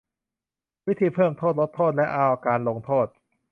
วิธีเพิ่มโทษ ลดโทษ และการรอการลงโทษ